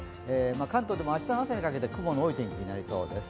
関東でも明日の朝にかけて雲の多い天気になりそうです。